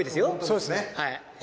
そうですね。